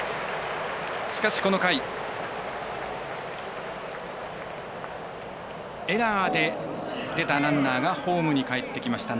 しかし、この回エラーで出たランナーがホームにかえってきました。